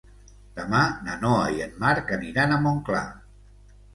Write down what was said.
Demà na Noa i en Marc aniran a Montclar.